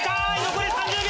残り３０秒！